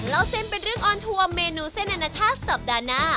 เล่าเส้นเป็นเรื่องออนทัวร์เมนูเส้นอนาชาติสัปดาห์หน้า